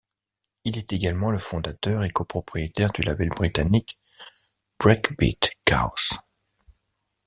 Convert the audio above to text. Il est également le fondateur et copropriétaire du label britannique Breakbeat Kaos.